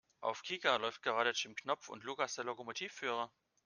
Auf Kika läuft gerade Jim Knopf und Lukas der Lokomotivführer.